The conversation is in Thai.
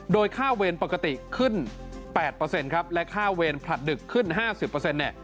โดยค่าเวรปกติขึ้น๘และค่าเวรผลัดดึกขึ้น๕๐